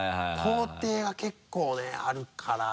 工程が結構ねあるから。